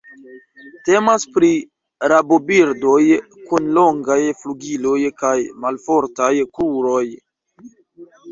Temas pri rabobirdoj kun longaj flugiloj kaj malfortaj kruroj.